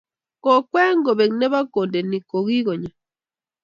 Kokwee kobek ne bo Kondeni ko kikonye